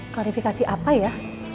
klarifikasi apa ya